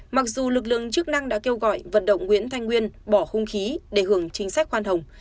mặc dù lực lượng chức năng đã kêu gọi vận động nguyễn thanh nguyên bỏ khung khí để hưởng chính sách khoan hồng